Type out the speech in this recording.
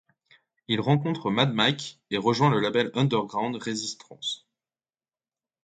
Il rencontre Mad Mike et rejoint le label Underground Resistance.